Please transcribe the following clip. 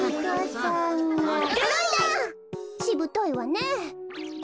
しぶといわねえ。